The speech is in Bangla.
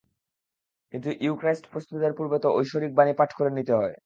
কিন্তু ইউক্রাইস্ট প্রস্তুতের পূর্বে তো ঐশ্বরিক বাণী পাঠ করে নিতে হয়!